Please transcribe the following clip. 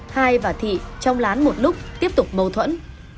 hai và thị trong lán một lúc tiếp tục mâu thuẫn